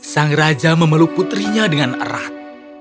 sang raja memeluk putrinya dengan erat